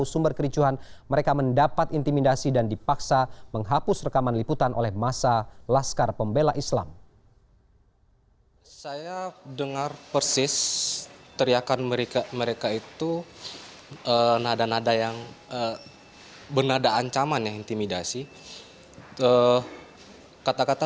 jurnalis jurnalis indonesia tv dipaksa menghapus gambar yang memperlihatkan adanya keributan yang sempat terjadi di lokasi acara